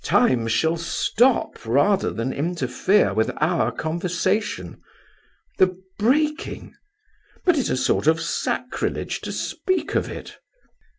"Time shall stop rather than interfere with our conversation! 'The breaking ...'! But it's a sort of sacrilege to speak of it."